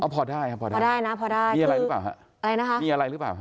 พอได้ค่ะพอได้นะพอได้ค่ะคืออะไรนะคะมีอะไรหรือเปล่า